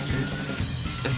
えっ？